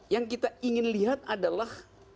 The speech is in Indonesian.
yang kita ingin lihat adalah